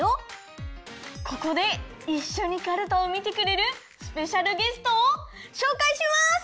ここでいっしょにかるたをみてくれるスペシャルゲストをしょうかいします！